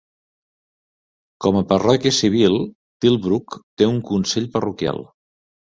Com a parròquia civil, Tilbrook té un consell parroquial.